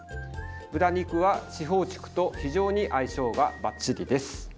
豚肉は四方竹と非常に相性がばっちりです。